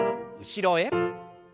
後ろへ。